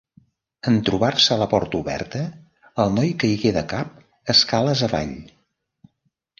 En trobar-se la porta oberta, el noi caigué de cap escales avall.